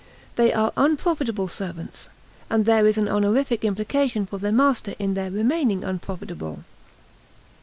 They are unprofitable servants, and there is an honorific implication for their master in their remaining unprofitable.